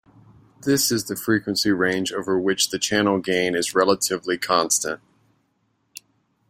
This is the frequency range over which the channel gain is relatively constant.